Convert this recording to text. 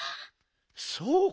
そうか！